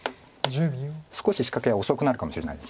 少し仕掛けが遅くなるかもしれないです。